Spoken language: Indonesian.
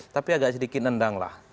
tapi agak sedikit nendang lah